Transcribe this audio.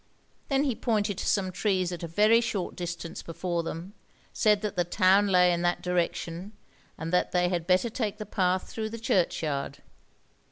Then he pointed to some trees at a very short distance before them, said that the town lay in that direction, and that they had better take the path through the churchyard.